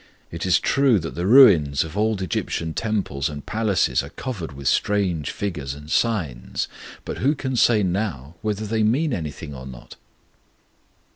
It is true that the ruins of old Egyptian temples and palaces are covered with strange figures and signs; but who can say now whether they mean anything or not?'